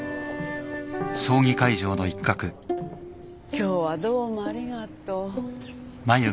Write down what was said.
今日はどうもありがとう。